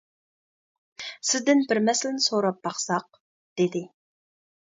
سىزدىن بىر مەسىلىنى سوراپ باقساق، -دېدى.